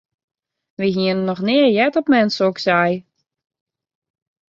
Wy hiene noch nea heard dat mem soks sei.